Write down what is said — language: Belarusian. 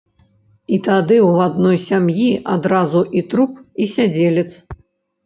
І тады ў адной сям'і адразу і труп, і сядзелец.